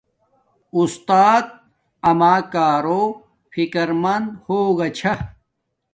اُستات اما کارو فکر مند ہوگا چھا